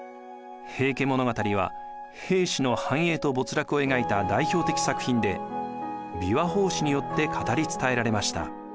「平家物語」は平氏の繁栄と没落を描いた代表的作品で琵琶法師によって語り伝えられました。